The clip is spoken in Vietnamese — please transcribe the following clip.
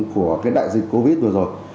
của cái đại dịch covid vừa rồi